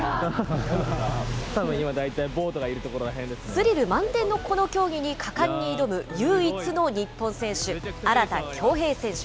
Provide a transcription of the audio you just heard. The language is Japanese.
スリル満点のこの競技に果敢に挑む唯一の日本選手、荒田恭兵選手